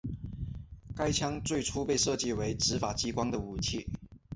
该枪最初被设计为执法机关的武器。